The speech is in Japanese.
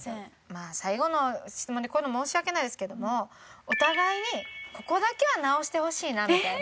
まあ最後の質問でこういうの申し訳ないですけどもお互いにここだけは直してほしいなみたいな。